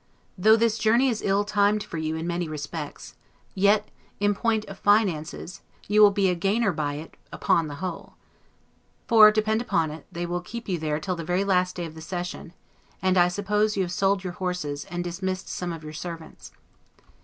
Though this journey is ill timed for you in many respects, yet, in point of FINANCES, you will be a gainer by it upon the whole; for, depend upon it, they will keep you here till the very last day of the session: and I suppose you have sold your horses, and dismissed some of your servants.